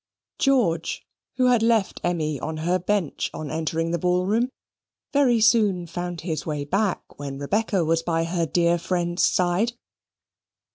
George, who had left Emmy on her bench on entering the ball room, very soon found his way back when Rebecca was by her dear friend's side.